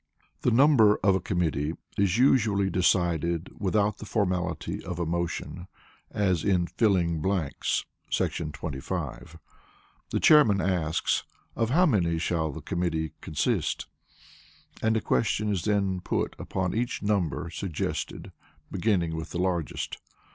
The number of a committee is usually decided without the formality of a motion, as in filling blanks [§ 25]: the Chairman asks "of how many shall the committee consist?" and a question is then put upon each number suggested, beginning with the largest.